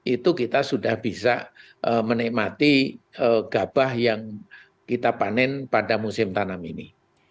itu kita sudah bisa menikmati gabah yang kita panen pada musim tanam ini